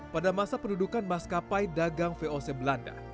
pada masa pendudukan maskapai dagang voc belanda